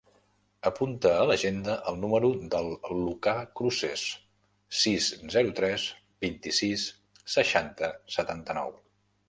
Apunta a l'agenda el número del Lucà Cruces: sis, zero, tres, vint-i-sis, seixanta, setanta-nou.